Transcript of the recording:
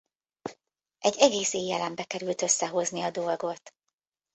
Egy egész éjjelembe került összehozni a dolgot.